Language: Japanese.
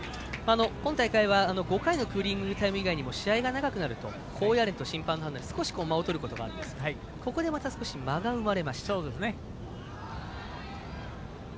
今大会は５回のクーリングタイム以外にも試合が長くなると高野連と審判団の判断で少し間をとることがあるんですがここで、また間が生まれました。